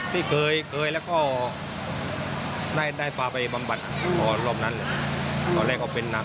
ต้องไปรู้เหมือนกัน